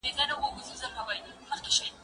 زه مخکي پوښتنه کړې وه!.